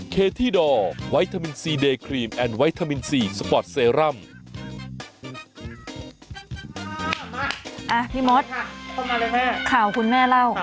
พี่ม็อตข่าวคุณแม่เล่าค่ะมาเลยแม่